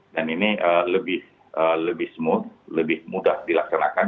dan ini lebih smooth lebih mudah dilaksanakan